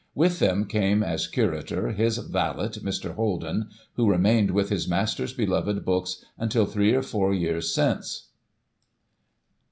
With them came, as curator, his valet, Mr. Holden, who remained with his master's beloved books until three or four years since.